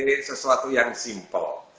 karena saya suka batik yang simpel